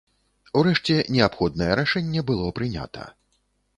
Урэшце неабходнае рашэнне было прынята.